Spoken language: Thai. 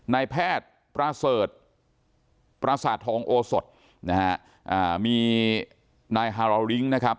นายแพทย์ประเสริฐปราสาททองโอสดนะฮะอ่ามีนายฮาราลิ้งนะครับ